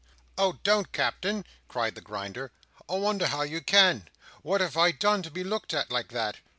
"Oh, don't, Captain!" cried the Grinder. "I wonder how you can! what have I done to be looked at, like that?"